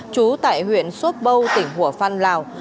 chú tại huyện xuất bâu tỉnh hủa phan lào